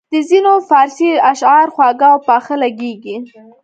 د ځینو فارسي اشعار خواږه او پاخه لګیږي.